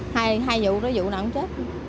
hai vụ đó vụ nào cũng chết